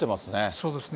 そうですね。